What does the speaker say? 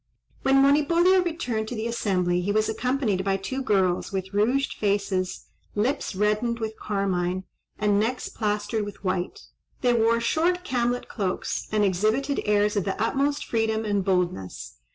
When Monipodio returned to the assembly he was accompanied by two girls, with rouged faces, lips reddened with carmine, and necks plastered with white. They wore short camlet cloaks, and exhibited airs of the utmost freedom and boldness.